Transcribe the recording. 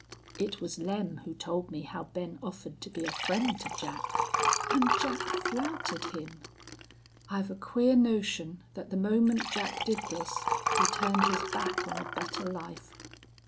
It was Lem who told me how Ben offered to be a friend to Jack. And Jack flouted him. I've a queer notion that the moment Jack did this he turned his back on a better life.